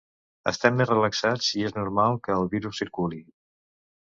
Estem més relaxats i és normal que el virus circuli.